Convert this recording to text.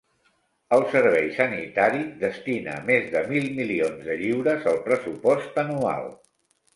El servei sanitari destina més de mil milions de lliures al pressupost anual.